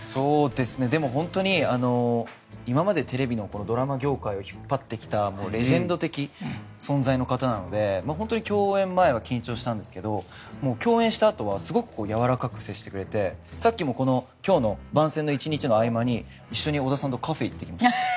でも本当に今までテレビのドラマ業界を引っ張ってきたレジェンド的存在の方なので本当に共演前は緊張したんですが共演したあとはすごくやわらかく接してくれてさっきも今日の番宣の１日の合間に一緒に織田さんとカフェに行ってきました。